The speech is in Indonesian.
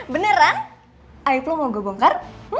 beneran aib lo mau gue bongkar